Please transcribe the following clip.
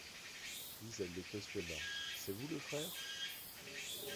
Puis elle le questionna: — C’est vous le frère?